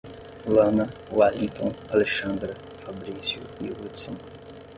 Lana, Welinton, Alexandra, Fabrício e Hudson